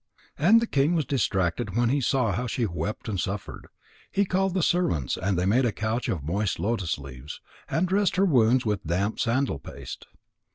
And the king was distracted when he saw how she wept and suffered. He called the servants and they made a couch of moist lotus leaves, and dressed her wounds with damp sandal paste.